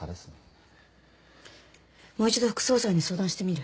もう一度副総裁に相談してみる？